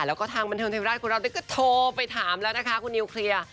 แล้วก็ทางบันทึงธรรมดิก็โทรไปถามแล้วนะฮะคุณิวเคลียร์